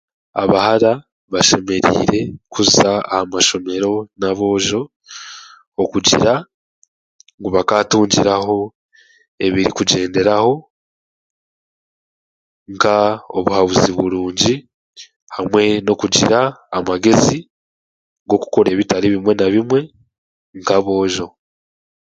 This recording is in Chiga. Abahara bashemereire kuza aha mashomero n'aboojo okugira ngu b'akatungiraho ebiri kugyenderaho nka obuhabuzi burungi hamwe n'okugira amagezi g'okukora ebitari bimwe na bimwe nk'aboojo.